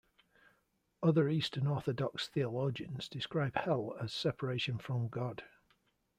Other Eastern Orthodox theologians describe hell as separation from God.